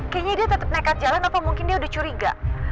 kayaknya dia tetap nekat jalan atau mungkin dia udah curiga